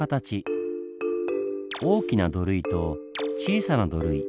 大きな土塁と小さな土塁。